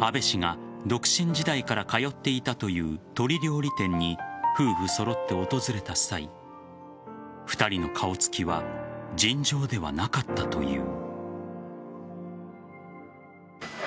安倍氏が独身時代から通っていたという鶏料理店に夫婦揃って訪れた際２人の顔つきは尋常ではなかったという。